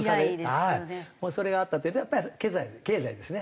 それがあった点とやっぱり経済経済ですね。